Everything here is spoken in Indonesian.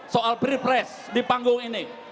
soal pilpres di panggung ini